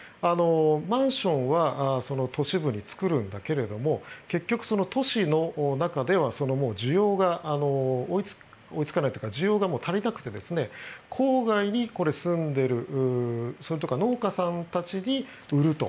マンションは都市部に作るんだけれども結局、その都市の中では需要が追いつかないというか需要がもう足りなくて郊外に住んでいるとか農家さんたちに売ると。